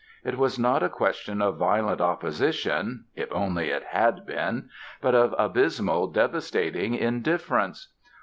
It was not a question of violent opposition (if only it had been!) but of abysmal, devastating indifference.